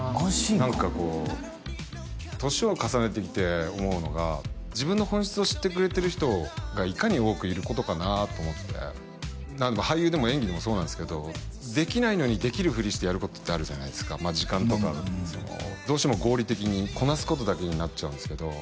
何かこう年を重ねてきて思うのが自分の本質を知ってくれてる人がいかに多くいることかなと思って俳優でも演技でもそうなんですけどできないのにできるふりしてやることってあるじゃないですかまあ時間とかどうしても合理的にこなすことだけになっちゃうんですけど